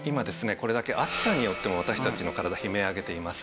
これだけ暑さによっても私たちの体悲鳴を上げています。